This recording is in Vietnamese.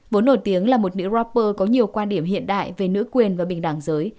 vốn nổi tiếng là một nữ rapper có nhiều quan điểm hiện đại về nữ quyền và bình đẳng giới